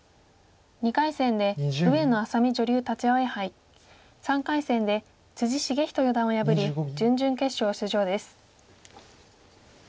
２回戦で上野愛咲美女流立葵杯３回戦で篤仁四段を破り準々決勝出場です。